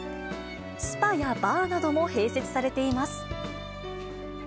スパやバーなども併設されています。